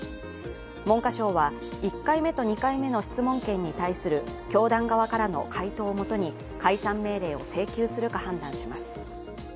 文科省は１回目と２回目の質問権に対する教団側からの回答をもとに解散命令を請求するか判断します。